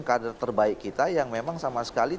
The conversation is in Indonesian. kader terbaik kita yang memang sama sekali